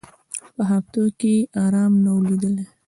په هفتو کي یې آرام نه وو لیدلی